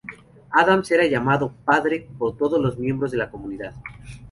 Adams era llamado "padre" por todos los miembros de la comunidad.